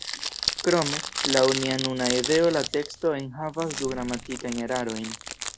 Krome, laŭ nia nuna ideo la teksto enhavas du gramatikajn erarojn.